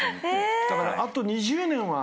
だからあと２０年は。